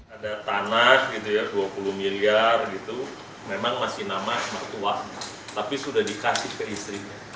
ada tanah gitu ya dua puluh miliar gitu memang masih nama mertua tapi sudah dikasih ke istrinya